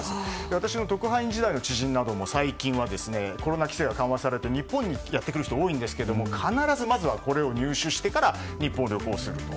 私の特派員時代の知人なども最近はコロナ規制が緩和されて日本にやってくる人が多いんですが必ずまずはこれを入手してから日本を旅行すると。